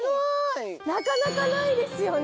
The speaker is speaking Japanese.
なかなかないですよね